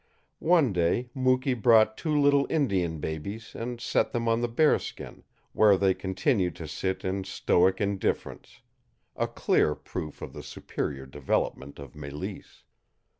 One day Mukee brought two little Indian babies and set them on the bearskin, where they continued to sit in stoic indifference a clear proof of the superior development of Mélisse.